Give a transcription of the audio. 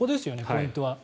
ポイントは。